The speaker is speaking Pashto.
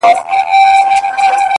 ورباندي وځړوې!!